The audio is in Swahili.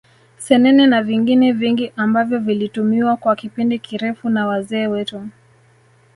Senene na vingine vingi ambavyo vilitumiwa kwa kipindi kirefu na wazee wetu